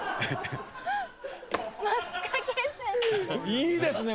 いいですね。